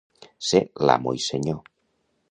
Ser l'amo i senyor.